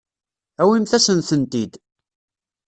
Awimt-asen-tent-id.